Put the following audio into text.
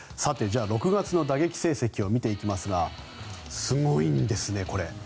６月の打撃成績を見ていきますがすごいんですね、これ。